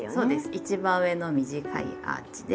一番上の短いアーチで。